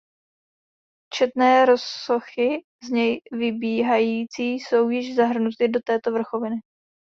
Četné rozsochy z něj vybíhající jsou již zahrnuty do této vrchoviny.